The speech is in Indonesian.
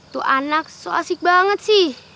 tuh anak so asik banget sih